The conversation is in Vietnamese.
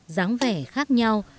giáng vẻ khác nhau